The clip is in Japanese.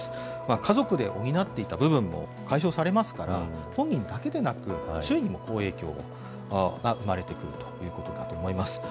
家族で補っていた部分も解消されますから、本人だけでなく、周囲にも好影響が生まれてくるということだと思います。